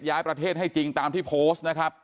ย้ายประเทศให้จริงตามที่โพสต์นะครับ